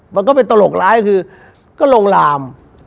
มันก็เป็นตลกร้ายก็คือก็ลงลาม